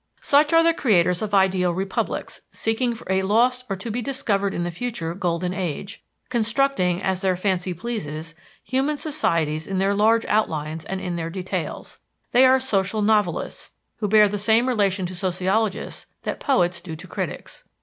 Such are the creators of ideal republics, seeking for a lost or to be discovered in the future golden age, constructing, as their fancy pleases, human societies in their large outlines and in their details. They are social novelists, who bear the same relation to sociologists that poets do to critics.